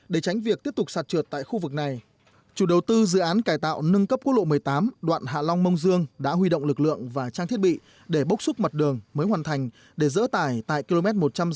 để tránh việc tiếp tục sạt trượt tại khu vực này chủ đầu tư dự án cải tạo nâng cấp quốc lộ một mươi tám đoạn hạ long mông dương đã huy động lực lượng và trang thiết bị để bốc xúc mặt đường mới hoàn thành để dỡ tải tại km một trăm sáu mươi bảy